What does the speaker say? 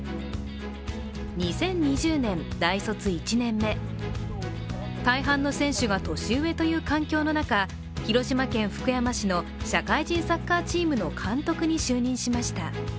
２０２０年、大卒１年目、大半の選手が年上という環境の中広島県福山市の社会人サッカーチームの監督に就任しました。